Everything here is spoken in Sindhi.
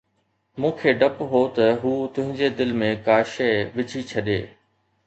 مون کي ڊپ هو ته هو تنهنجي دل ۾ ڪا شيءِ وجهي ڇڏي